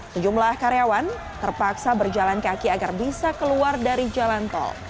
sejumlah karyawan terpaksa berjalan kaki agar bisa keluar dari jalan tol